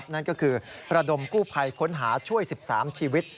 นั่นก็คือประดมกู้ภัยค้นหาช่วย๑๓ชีวิต